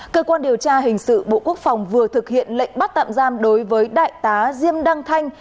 cơ quan điều tra hình sự bộ quốc phòng vừa thực hiện lệnh bắt tạm giam đối với đại tá diêm đăng thanh